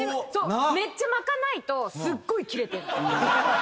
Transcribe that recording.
めっちゃ巻かないとすごいキレてる。